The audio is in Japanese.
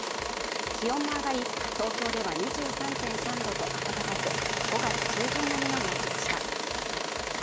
気温も上がり、東京では２３．３度と暖かく５月中旬並みの陽気でした。